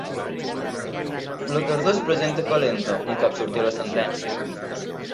La tardor es presenta calenta, un cop surti la sentència.